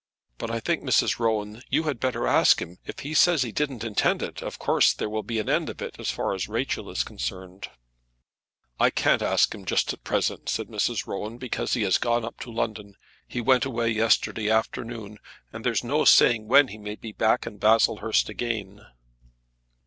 But I think, Mrs. Rowan, you had better ask him. If he says he didn't intend it, of course there will be an end of it, as far as Rachel is concerned." "I can't ask him just at present," said Mrs. Rowan, "because he has gone up to London. He went away yesterday afternoon, and there's no saying when he may be in Baslehurst again."